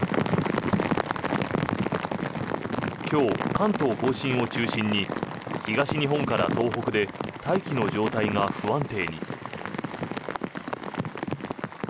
今日、関東・甲信を中心に東日本から東北で大気の状態が不安定に。